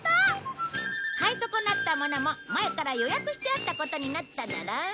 買い損なったものも前から予約してあったことになっただろう？